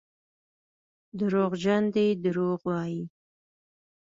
دروغجن دي دروغ وايي.